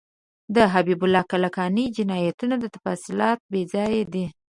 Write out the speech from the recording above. د حبیب الله کلکاني د جنایاتو تفصیلات بیځایه دي.